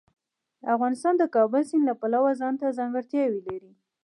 افغانستان د کابل سیند له پلوه ځانته ځانګړتیاوې لري.